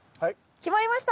決まりました。